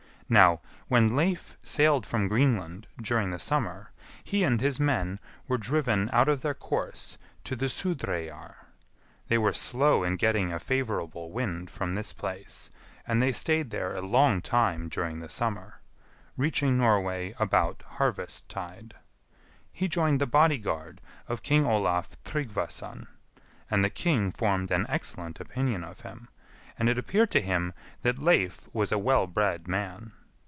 Now, when Leif sailed from Greenland during the summer, he and his men were driven out of their course to the Sudreyjar. They were slow in getting a favourable wind from this place, and they stayed there a long time during the summer ... reaching Norway about harvest tide. He joined the body guard of King Olaf Tryggvason, and the king formed an excellent opinion of him, and it appeared to him that Leif was a well bred man.